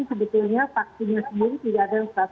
sebetulnya vaksinasi sendiri tidak ada